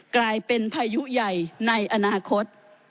กลายเป็นพายุใหญ่ในอนาคต